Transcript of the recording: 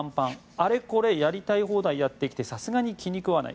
あれこれやりたい放題やってきてさすがに気に食わない。